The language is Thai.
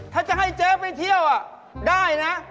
ถ้าจะให้เจ๊ไปเที่ยวได้นะ